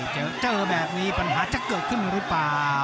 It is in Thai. เจอแบบนี้ปัญหาจะเกิดขึ้นหรือเปล่า